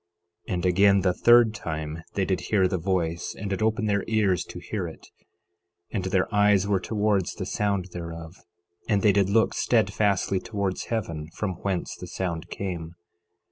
11:5 And again the third time they did hear the voice, and did open their ears to hear it; and their eyes were towards the sound thereof; and they did look steadfastly towards heaven, from whence the sound came.